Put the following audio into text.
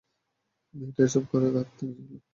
মেয়েটা এসব কার থেকে শিখল?